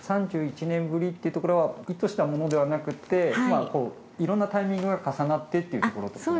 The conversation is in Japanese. ３１年ぶりっていうところは意図したものではなくていろんなタイミングが重なってっていうところとかも。